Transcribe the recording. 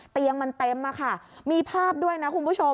เตียงมันเต็มอะค่ะมีภาพด้วยนะคุณผู้ชม